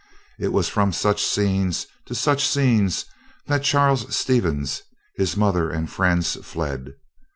It was from such scenes to such scenes that Charles Stevens, his mother and friends fled.